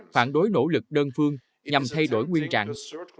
phản đối nỗ lực đơn phương nhằm thay đổi nguyên trạng